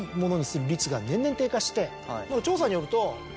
調査によると。